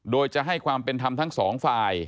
โดยจะให้ความเป็นธรรมทั้งสองฝ่าย